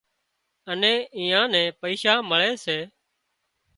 اين ايئان نين پئيشا مۯي سي